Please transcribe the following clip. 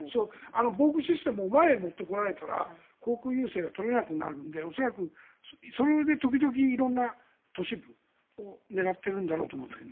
防空システムを前に持ってこられたら航空優勢が取れなくなるので恐らくそれで時々色々な都市部を狙っているんだろうと思うんですけど。